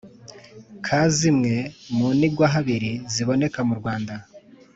ka zimwe mu nigwahabiri ziboneka mu Rwanda